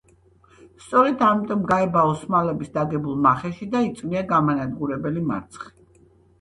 სწორედ ამიტომ გაება ოსმალების დაგებულ მახეში და იწვნია გამანადგურებელი მარცხი.